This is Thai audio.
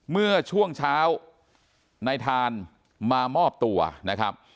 เมื่อช่วงเช้านายทานมามอบตัวนะครับ